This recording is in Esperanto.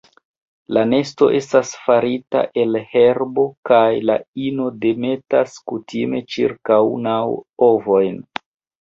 La nesto estas farita el herbo kaj la ino demetas kutime ĉirkaŭ naŭ ovojn.